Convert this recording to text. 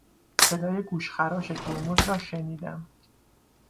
صدای گوشخراش ترمز را شنیدم.